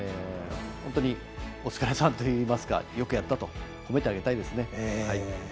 本当にお疲れさんといいますかよくやったと褒めてあげたいですね。